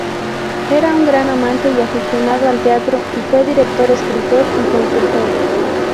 Era un gran amante y aficionado al teatro y fue director, escritor y consultor.